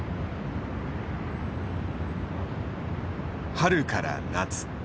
春から夏。